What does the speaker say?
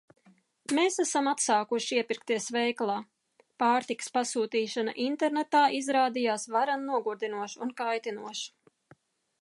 Mēs esam atsākuši iepirkties veikalā – pārtikas pasūtīšana internetā izrādījās varen nogurdinoša un kaitinoša.